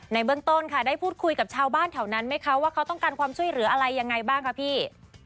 เบื้องต้นค่ะได้พูดคุยกับชาวบ้านแถวนั้นไหมคะว่าเขาต้องการความช่วยเหลืออะไรยังไงบ้างคะพี่